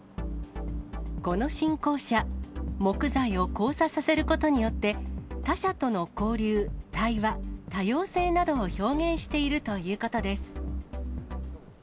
この新校舎、木材を交差させることによって、他者との交流、対話、多様性などを表現しているということです。